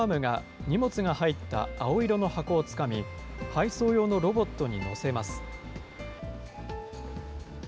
ロボットアームが荷物が入った青色の箱をつかみ、配送用のロボットに載せます。